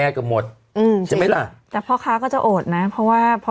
เขาบอกว่า